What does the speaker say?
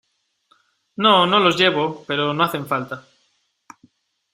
no, no los llevo , pero no hacen falta.